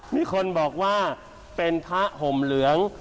มีคนบอกว่าเป็นพระห่มเหลือง